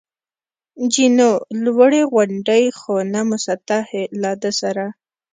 جینو: لوړې غونډۍ، خو نه مسطحې، له ده سره.